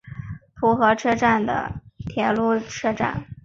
浦和车站的铁路车站。